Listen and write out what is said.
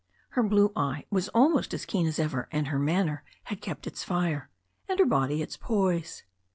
Her blue eye was almost as keen as ever, and her manner had kept its fire, and her body its poise.